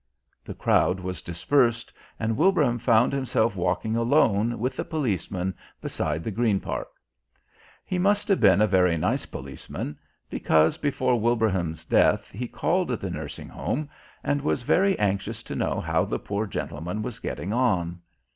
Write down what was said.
The crowd was dispersed and Wilbraham found himself walking alone with the policeman beside the Green Park. He must have been a very nice policeman because before Wilbraham's death he called at the Nursing Home and was very anxious to know how the poor gentleman was getting on.